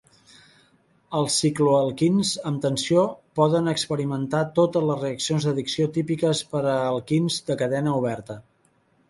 Els cicloalquins amb tensió poden experimentar totes les reaccions d'addició típiques per a alquins de cadena oberta.